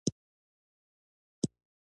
یعقوب د یو رقیب سره د جنګ لپاره روان شو.